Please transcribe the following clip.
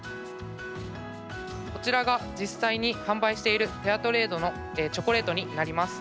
こちらが実際に販売しているフェアトレードのチョコレートになります。